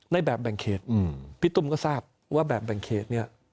ในแบบแบ่งเขตพี่ตุ้มก็ทราบว่าแบบแบ่งเขตเนี่ย